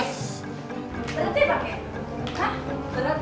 berarti mak mak mak